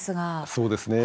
そうですね。